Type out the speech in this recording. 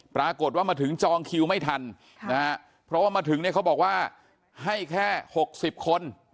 ปรากฏว่ามาถึงจองคิวไม่ทันเพราะว่ามาถึงเนี่ยเขาบอกว่าให้แค่๖๐คน